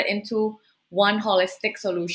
meletakkan ke dalam satu solusi